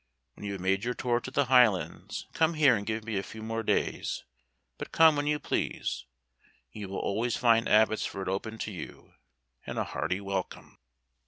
When you have made your tour to the Highlands, come here and give me a few more days but come when you please, you will always find Abbotsford open to you, and a hearty welcome."